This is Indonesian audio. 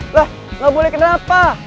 lah gak boleh kenapa